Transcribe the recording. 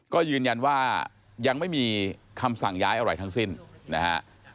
ก็ยืนยันว่ายังไม่มีคำสั่งย้ายอะไรทั้งสิ้นนะฮะ